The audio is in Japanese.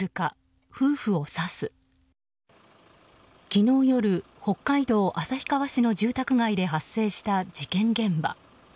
昨日夜、北海道旭川市の住宅街で発生した事件現場。